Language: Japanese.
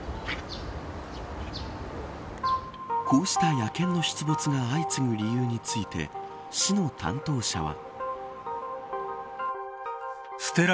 こうした野犬の出没が相次ぐ理由について市の担当者は。